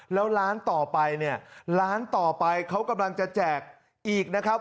แล้วร้านต่อไปเนี่ยร้านต่อไปเขากำลังจะแจกอีกนะครับ